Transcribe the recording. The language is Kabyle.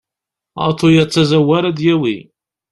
Aḍu-ya d tazawwa ara d-yawi.